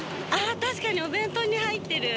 確かにお弁当に入ってる。